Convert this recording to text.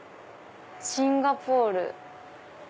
シンガポール。